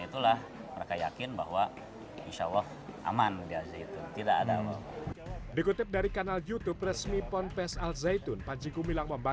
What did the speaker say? itulah mereka yakin bahwa insya allah aman tidak ada dikutip dari kanal youtube resmi ponpes al zaitun